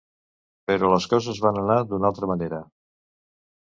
Però les coses van anar d'una altra manera.